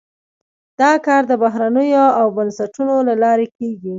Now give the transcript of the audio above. دا کار د بهیرونو او بنسټونو له لارې کیږي.